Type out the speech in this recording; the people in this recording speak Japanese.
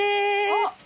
あっ！